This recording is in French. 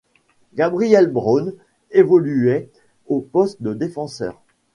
Gabriel Braun évoluait au poste de défenseur.